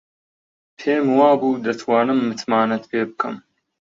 پێم وابوو دەتوانم متمانەت پێ بکەم.